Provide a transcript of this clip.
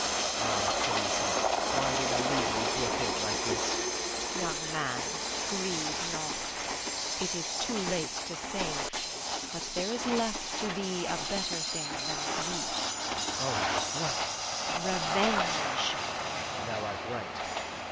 Ah, Theresa, why did I leave thee to a fate like this? Norna. Young man, grieve not; it is too late to save, but there is left to thee a better thing than grief. Louis. Oh, what? Norna. Revenge! Louis. Thou art right.